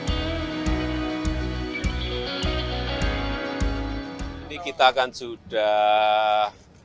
ini kita kan sudah